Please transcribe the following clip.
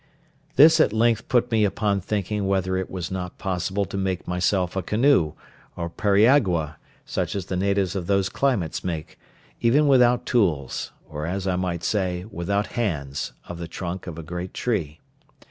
This at length put me upon thinking whether it was not possible to make myself a canoe, or periagua, such as the natives of those climates make, even without tools, or, as I might say, without hands, of the trunk of a great tree.